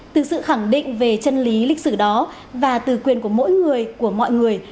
từ sự khẳng định về chân lý lịch sử đó và từ quyền của mỗi người của mọi người